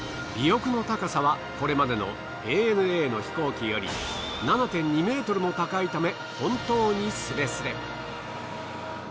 尾翼の高さはこれまでのＡＮＡの飛行機より７．２ｍも高いため本当にスレスレ。